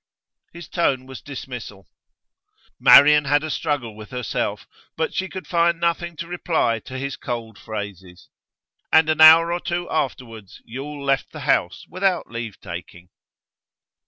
His tone was dismissal. Marian had a struggle with herself but she could find nothing to reply to his cold phrases. And an hour or two afterwards Yule left the house without leave taking.